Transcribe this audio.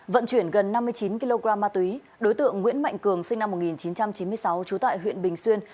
vận chuyển gần năm mươi chín kg ma túy đối tượng nguyễn mạnh cường sinh năm một nghìn chín trăm chín mươi sáu trú tại huyện bình xuyên